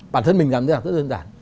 bản thân mình nắm chắc rất đơn giản